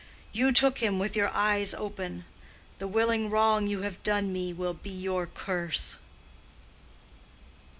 You took him with your eyes open. The willing wrong you have done me will be your curse."